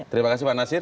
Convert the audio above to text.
terima kasih pak nasir